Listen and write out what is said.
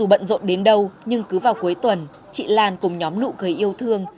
bận rộn đến đâu nhưng cứ vào cuối tuần chị lan cùng nhóm nụ cười yêu thương